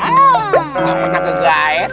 nggak pernah nge guide